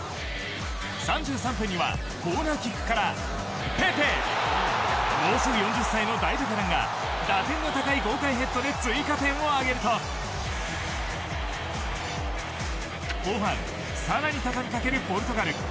３３分にはコーナーキックからペペもうすぐ４０歳の大ベテランが打点が高い豪快ヘッドで追加点を挙げると後半、更にたたみかけるポルトガル。